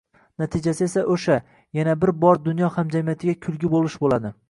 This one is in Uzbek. Natijasi esa o‘sha – yana bir bor dunyo hamjamiyatiga kulgi bo‘lish bo‘ladi.